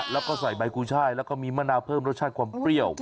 แล้วก็ใส่ใบกุช่ายแล้วก็มีมะนาวเพิ่มรสชาติความเปรี้ยว